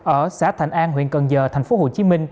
ở xã thành an huyện cần giờ tp hcm